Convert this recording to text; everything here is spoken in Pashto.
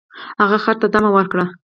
هغه خر ته دمه ورکړه.